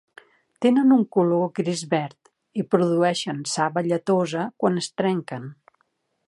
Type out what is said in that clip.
Tenen un color gris-verd i produeixen saba lletosa quan es trenquen.